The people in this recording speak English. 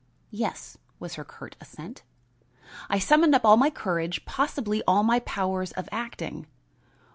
"Yes," was her curt assent. I summoned up all my courage, possibly all my powers of acting.